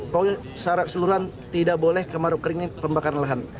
tapi secara keseluruhan tidak boleh kemarau kering ini pembakaran lahan